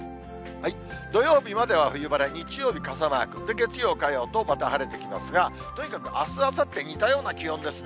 土曜日までは冬晴れ、日曜日、傘マーク、月曜、火曜とまた晴れてきますが、とにかくあす、あさって、似たような気温ですね。